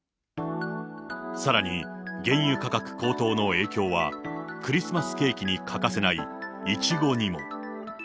さらに、原油価格高騰の影響は、クリスマスケーキに欠かせないイチゴにも。